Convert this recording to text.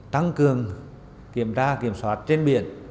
tăng cường kiểm tra kiểm soát trên biển